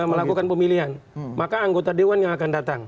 melakukan pemilihan maka anggota dewan yang akan datang